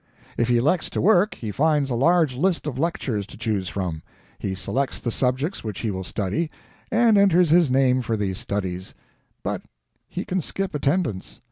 If he elects to work, he finds a large list of lectures to choose from. He selects the subjects which he will study, and enters his name for these studies; but he can skip attendance.